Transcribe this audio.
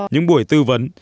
những buổi tư vấn